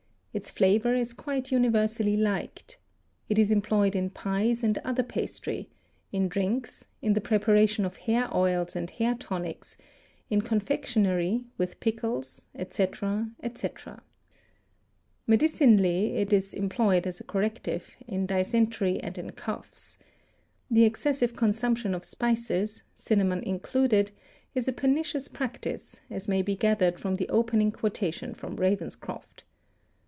Its flavor is quite universally liked. It is employed in pies and other pastry, in drinks, in the preparation of hair oils and hair tonics, in confectionery, with pickles, etc., etc. Medicinally it is employed as a corrective, in dysentery and in coughs. The excessive consumption of spices, cinnamon included, is a pernicious practice, as may be gathered from the opening quotation from Ravenscroft.